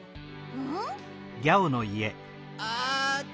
うん？